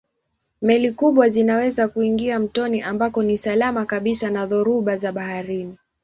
Meli kubwa zinaweza kuingia mtoni ambako ni salama kabisa na dhoruba za baharini.